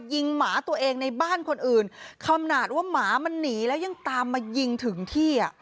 หมาตัวเองในบ้านคนอื่นขนาดว่าหมามันหนีแล้วยังตามมายิงถึงที่อ่ะ